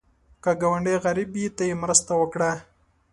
که ګاونډی غریب وي، ته یې مرسته وکړه